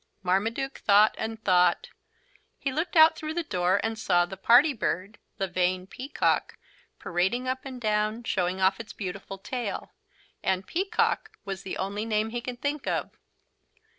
Marmaduke thought and thought. He looked out through the door and saw the Party Bird, the vain Peacock, parading up and down, showing off its beautiful tail, and "Peacock" was the only name he could think of.